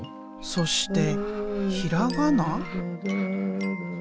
そしてひらがな？